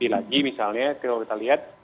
lagi misalnya kalau kita lihat